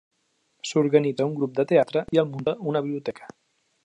S'organitza un grup de teatre i el munta una biblioteca.